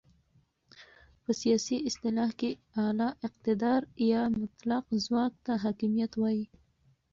په سیاسي اصطلاح کې اعلی اقتدار یا مطلق ځواک ته حاکمیت وایې.